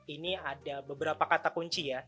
ini ada beberapa kata kunci ya